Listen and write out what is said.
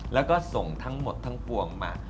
แล้วก็ส่งทั้งหมดทั้งปวงมา